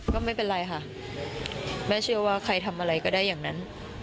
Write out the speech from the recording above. ก็ไม่เป็นไรค่ะแม่เชื่อว่าใครทำอะไรก็ได้อย่างนั้น